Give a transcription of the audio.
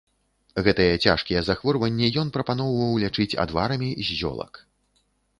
Гэтыя цяжкія захворванні ён прапаноўваў лячыць адварамі з зёлак.